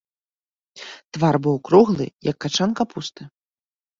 Твар быў круглы, як качан капусты.